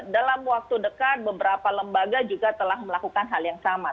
dalam waktu dekat beberapa lembaga juga telah melakukan hal yang sama